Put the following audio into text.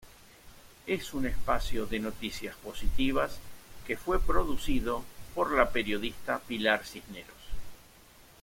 Es un espacio de noticias positivas que fue producido por la periodista Pilar Cisneros.